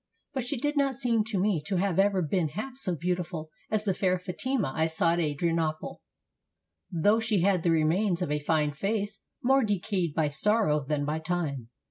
But she did not seem to me to have ever been half so beautiful as the fair Fatima I saw at Adrian ople ; though she had the remains of a fme face, more de cayed by sorrow than by time.